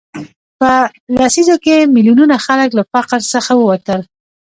په لسیزو کې میلیونونه خلک له فقر څخه ووتل.